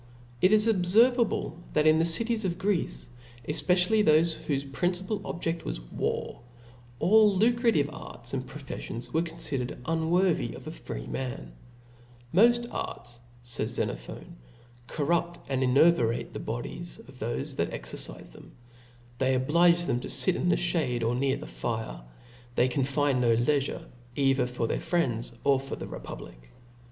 It is obfervable, that in the cities 6i Greece, efpecially thofe whofe principal objecl was warji all lucrative arts and profeffions were con (idered as unworthy of a freeman. Moji arts^ fays (•) Book Xenophon (*), corrupt and enervate the bodies of thofe s^^ofmc fhai exercife them\ they oblige them to fit under a fdyings. ftiadey or near the fire. They can find no leifure^ ' either for their friends^ or for the republic.